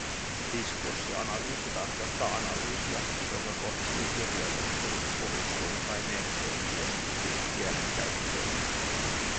Diskurssianalyysi tarkoittaa analyysiä, joka kohdistuu kirjoitettuun, puhuttuun tai merkein viestittyyn kielen käyttöön